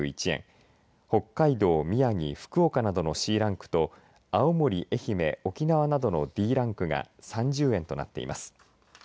北海道、宮城福岡などのＣランクと青森、愛媛沖縄などのＤランクが３０円となっています。